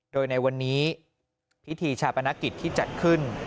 โดยในวันนี้พิธีชาปนกิจที่จัดขึ้น